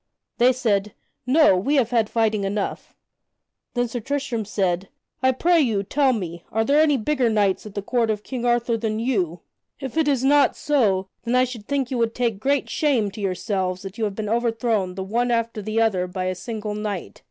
They said, "No, we have had fighting enough." Then Sir Tristram said: "I pray you, tell me, are there any bigger knights at the court of King Arthur than you? If it is not so, then I should think you would take great shame to yourselves that you have been overthrown the one after the other by a single knight.